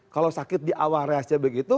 kalau sakit di awal reasnya begitu